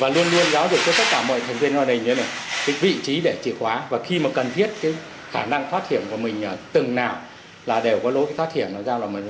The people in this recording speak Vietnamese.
và luôn luôn giáo dục cho tất cả mọi thành viên gia đình như thế này cái vị trí để chìa khóa và khi mà cần thiết cái khả năng thoát hiểm của mình từng nào là đều có lối thoát hiểm nó ra là mình